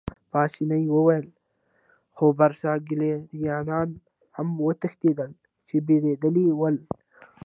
پاسیني وویل: خو برساګلیریایان هم وتښتېدل، چې بېرېدلي ول.